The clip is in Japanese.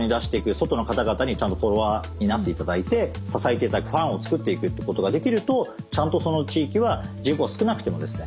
外の方々にちゃんとフォロワーになって頂いて支えて頂くファンを作っていくってことができるとちゃんとその地域は人口が少なくてもですね